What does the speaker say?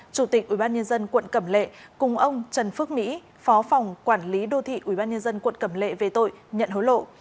chủ tịch ubnd quận cẩm lệ cùng ông trần phước mỹ phó phòng quản lý đô thị ubnd quận cẩm lệ về tội nhận hối lộ